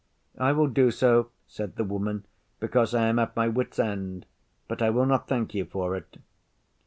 'I will do so,' said the Woman, 'because I am at my wits' end; but I will not thank you for it.